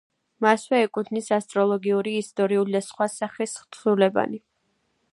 მასვე ეკუთვნის ასტროლოგიური, ისტორიული და სხვა ხასიათის თხზულებანი.